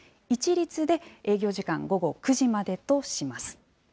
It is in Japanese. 一律で営業時間午後９時までとします。